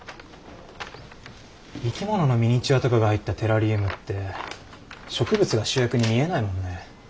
生き物のミニチュアとかが入ったテラリウムって植物が主役に見えないもんね。